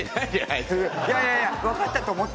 いやいやいや分かったと思ったんだけど。